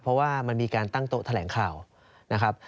เพราะว่ามันมีการตั้งโต๊ะแถลงข่าวนะครับ